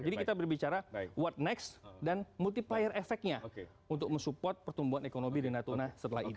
jadi kita berbicara what next dan multiplier efeknya untuk mensupport pertumbuhan ekonomi di natuna setelah ini